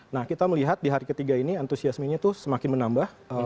nah kita melihat di hari ketiga ini antusiasmenya itu semakin menambah